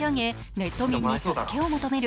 ネット民に助けを求める。